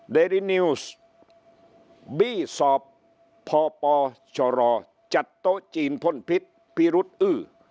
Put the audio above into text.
เดรินิวซ์บี้สอบพปชรจัดโตจีนพลพิษพิรุตอื